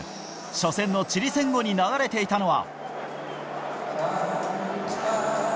初戦のチリ戦後に流れていたのは。